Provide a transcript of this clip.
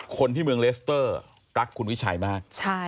คนที่เมืองเลสเตอร์รักคุณวิชัยมาก